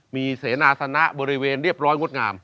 มีเสนาสนะบริเวณเรียบร้อยงดงาม